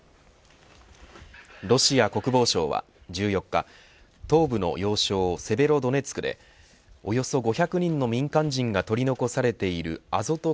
ロシア国防省は１４日東部の要衝セベロドネツクでおよそ５００人の民間人が取り残されているアゾト